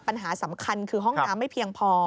ปัญหาสำคัญคือห้องน้ำไม่เพียงพอ